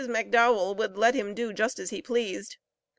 McDowell would let him do just as he pleased.